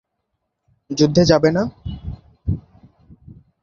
যুদ্ধে যাবে না?